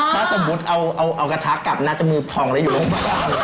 ถ้าสมมติเอากระทะกลับน่าจะมือพองได้อยู่ลงบ้าง